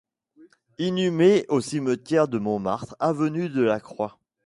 Inhumé au cimetière de Montmartre, avenue de la Croix.